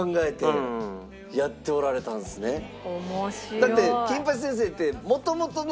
だって。